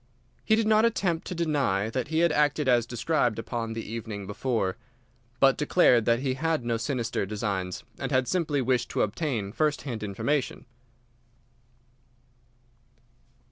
He did not attempt to deny that he had acted as described upon the evening before, but declared that he had no sinister designs, and had simply wished to obtain first hand information.